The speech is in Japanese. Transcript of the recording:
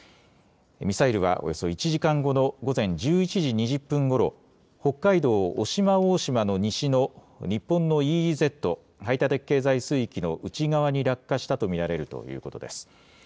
ミサイルはおよそ１時間後の午前１１時２０分ごろ、北海道渡島大島の西の日本のＥＥＺ・排他的経済水域の内側に落下したと見られるということです。